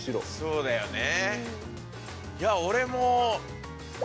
そうだよね。